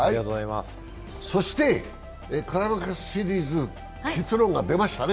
そして、クライマックスシリーズ結論が出ましたね。